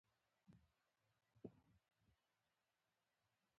راکټ د غیر مادي هدفونو لپاره هم استعمالېږي